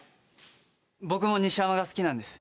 僕も西山が好きなんです。